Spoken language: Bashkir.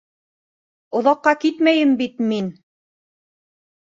Оҙаҡҡа китмәйем бит мин.